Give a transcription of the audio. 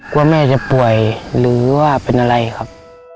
ว่าแม่จะป่วยหรือว่าเป็นอะไรครับ